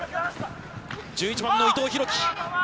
１１番の伊藤大暉。